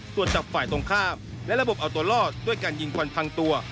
ตรวจจับฝ่ายตรงข้ามและระบบเอาตัวรอดด้วยการยิงควันพังตัว